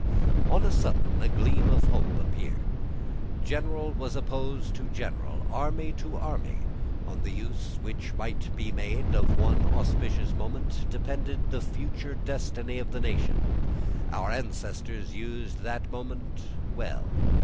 On a sudden a gleam of hope appeared. General was opposed to general, army to army. On the use which might be made of one auspicious moment depended the future destiny of the nation. Our ancestors used that moment well.